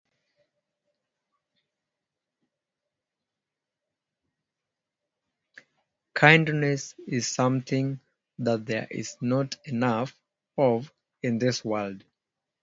Kindness is something that there is not enough of in this world.